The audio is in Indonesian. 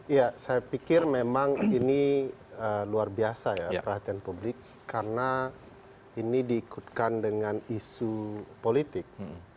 ya saya pikir memang ini luar biasa ya perhatian publik karena ini diikutkan dengan isu politik